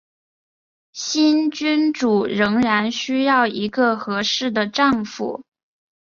新君主仍然需要一个合适的丈夫。